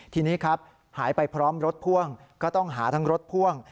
ทีนี้ครับหายไปพร้อมรถพ่วงก็ต้องหาทั้งรถพ่วง